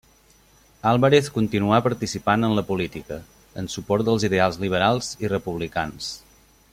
Álvarez continuà participant en la política, en suport dels ideals liberals i republicans.